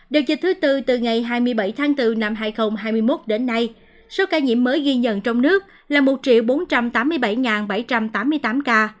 điều dịch thứ tư từ ngày hai mươi bảy tháng bốn năm hai nghìn hai mươi một đến nay số ca nhiễm mới ghi nhận trong nước là một bốn trăm tám mươi bảy bảy trăm tám mươi tám ca